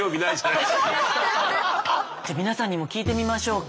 じゃあ皆さんにも聞いてみましょうか。